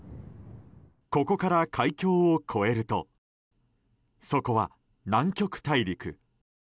ここから海峡を越えるとそこは南極大陸。